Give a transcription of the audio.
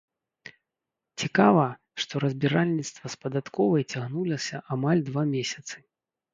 Цікава, што разбіральніцтва з падатковай цягнулася амаль два месяцы.